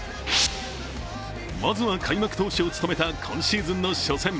まずは、開幕投手を務めた今シーズンの初戦。